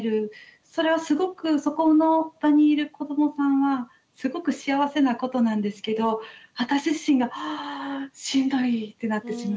それはすごくそこの場にいる子どもさんはすごく幸せなことなんですけど私自身が「はぁしんどい」ってなってしまって。